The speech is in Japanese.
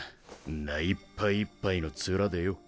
んないっぱいいっぱいの面でよ。